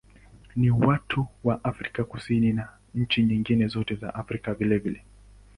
Ni wa watu wa Afrika Kusini na wa nchi nyingine zote za Afrika vilevile.